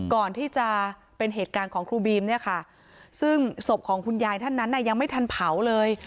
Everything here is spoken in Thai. ก่อนที่จะเป็นเหตุการณ์ของครูบีมเนี่ยค่ะซึ่งศพของคุณยายท่านนั้นยังไม่ทันเผาเลย